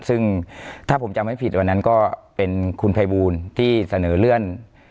ซึ่งถ้าผมจำไม่ผิดวันนั้นก็เป็นคุณภัยบูลที่เสนอเลื่อน